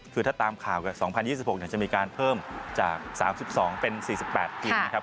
คือถ้าตามข่าวก็๒๐๒๖จะมีการเพิ่มจาก๓๒เป็น๔๘ทีม